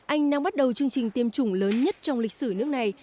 anh đang bắt đầu chương trình tiêm chủng lớn nhất trong lịch sử nước này